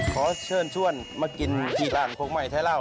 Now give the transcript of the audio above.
ขอเชิญชวนมากินที่ร้านคงใหม่ไทยเล่า